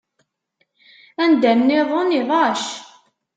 Anda-nniḍen iḍac.